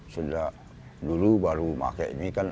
sudah dulu baru pakai ini kan